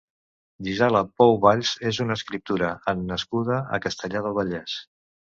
Gisela Pou Valls és una escriptora en nascuda a Castellar del Vallès.